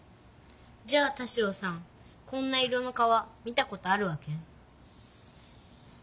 じゃあ田代さんこんな色の川見たことあるわけ？